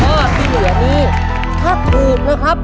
ข้อที่เหลือนี้ถ้าถูกนะครับ